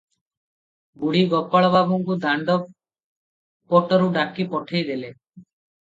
ବୁଢୀ ଗୋପାଳ ବାବୁଙ୍କୁ ଦାଣ୍ଡ ପଟରୁ ଡାକି ପଠେଇଲେ ।